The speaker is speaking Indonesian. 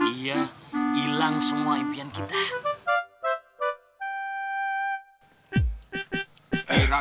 iya hilang semua impian kita